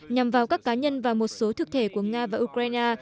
nhằm vào các cá nhân và một số thực thể của nga và ukraine